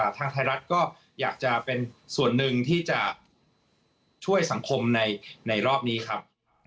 ทางไทยรัฐก็อยากจะเป็นส่วนหนึ่งที่จะช่วยสังคมในรอบนี้ครับ